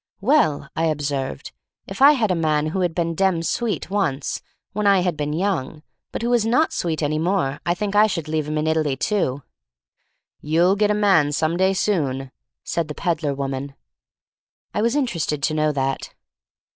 "Well," I observed, "if I had a man who had been dem sweet once, when I had been young, but who was not sweet any more, I think I should leave him in Italy, too." • "You'll git a man some day soon," said the peddler woman. I was interested to know that.